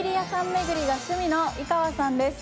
巡りが趣味の井川さんです。